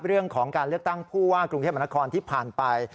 เรื่องของการเลือกตั้งผู้ว่ากรุงเทพมนาคมที่ผ่านไป